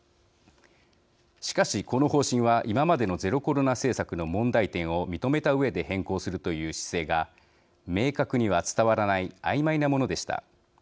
しかし、この方針は今までのゼロコロナ政策の問題点を認めたうえで変更するという姿勢が明確には伝わらないあいまいなものでした。